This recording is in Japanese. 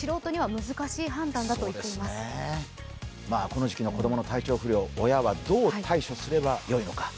この時期の子供の体調不良親はどう対処すればいいのか。